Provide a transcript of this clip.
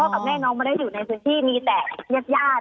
กับแม่น้องไม่ได้อยู่ในพื้นที่มีแต่ญาติญาติ